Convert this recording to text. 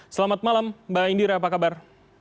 selamat malam mbak indira apa kabar